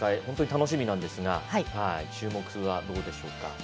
本当に楽しみなんですが注目はどうでしょうか。